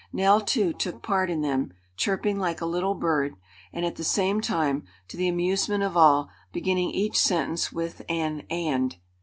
Nell, too, took part in them, chirping like a little bird, and at the same time, to the amusement of all, beginning each sentence with an "and."